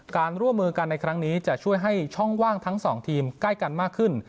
การร่วมมือกันในครั้งนี้จะช่วยให้ช่องว่างทั้งสองทีมใกล้กันมากขึ้น